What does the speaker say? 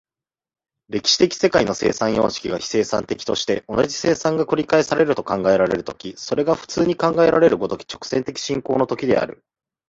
歴史的世界の生産様式が非生産的として、同じ生産が繰り返されると考えられる時、それが普通に考えられる如き直線的進行の時である。